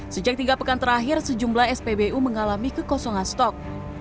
sejak tiga pekan terakhir sejumlah spbu mengalami kekosongan stok